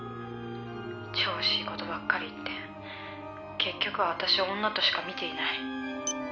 「調子いい事ばっかり言って結局は私を女としか見ていない」